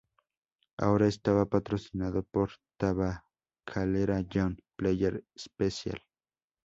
Ahora estaba patrocinado por tabacalera John Player Special.